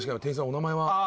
お名前は？